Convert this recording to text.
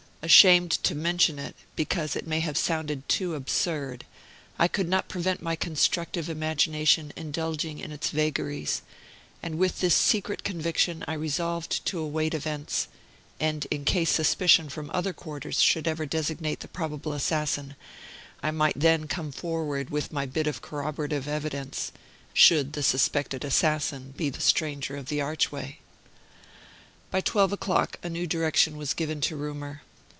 Ashamed to mention it, because it may have sounded too absurd, I could not prevent my constructive imagination indulging in its vagaries, and with this secret conviction I resolved to await events, and in case suspicion from other quarters should ever designate the probable assassin, I might then come forward with my bit of corroborative evidence, should the suspected assassin be the stranger of the archway. By twelve o'clock a new direction was given to rumor.